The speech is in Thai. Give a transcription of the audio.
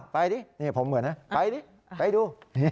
ไปดินี่ผมเหมือนนะไปดิไปดู